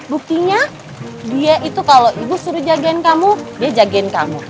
buktinya dia itu kalau ibu suruh jagain kamu dia jagain kamu